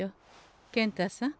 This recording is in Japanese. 健太さん